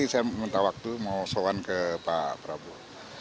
saya minta waktu mau sowan ke pak prabowo